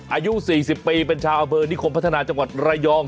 อายุ๔๐ปีเป็นชาวอำเภอนิคมพัฒนาจังหวัดระยอง